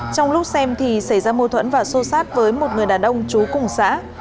trong lúc xem thì xảy ra mô thuẫn và xô xát với một người đàn ông trú cùng xã